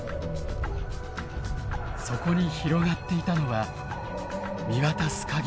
そこに広がっていたのは見渡す限りの緑。